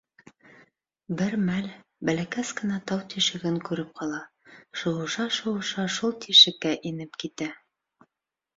Бер мәл бәләкәс кенә тау тишеген күреп ҡала, шыуыша-шыуыша шул тишеккә инеп китә.